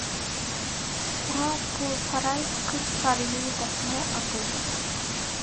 شۇڭا بۇ ساراي «قىز سارىيى» دەپمۇ ئاتىلىدۇ.